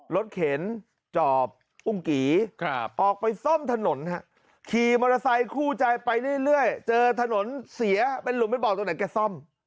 เข็นจอบอุ้งกี่ออกไปซ่อมถนนขี่มอเตอร์ไซคู่ใจไปเรื่อยเจอถนนเสียเป็นหลุมไปบอกตรงไหนแกซ่อม